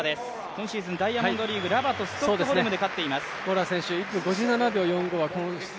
今シーズンダイヤモンドリーグストックホルムで勝っています。